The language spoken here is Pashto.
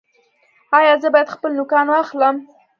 ایا زه باید خپل نوکان واخلم؟